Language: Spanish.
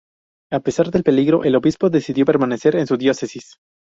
A pesar del peligro, el obispo decidió permanecer en su diócesis.